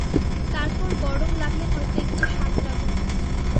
তারপর গরম লাগলে হয়তো একটু সাঁতরাবো।